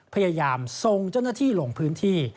พยายามทรงเจ้าหน้าที่ลงพื้นที่